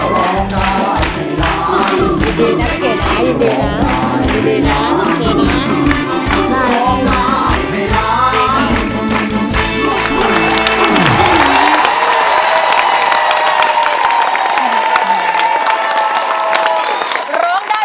ร้องได้แบบนี้รับแล้วค่ะ